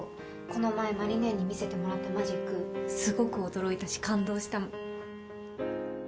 この前麻里姉に見せてもらったマジックすごく驚いたし感動したもん。